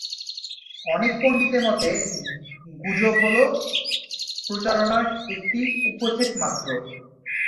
অনেক পন্ডিতের মতে, গুজব হল প্রচারণার একটি উপসেট মাত্র।